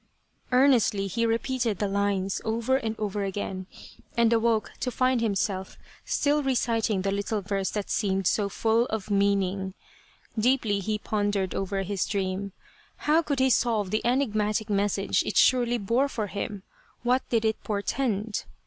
Earnestly he repeated the lines over and over again, 252 A Cherry Flower Idyll and awoke to find himself still reciting the little verse that seemed so full of meaning. Deeply he pondered over his dream. How could he solve the enigmatic message it surely bore for him ? What did it portend